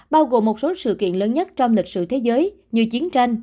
bao gồm một số sự kiện lớn nhất trong lịch sử thế giới như chiến tranh